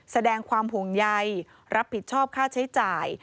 แสดงความห่วงใยรับผิดชอบค่าใช้จ่าย